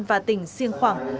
và tỉnh siêng khoảng